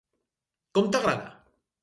Com t'agrada?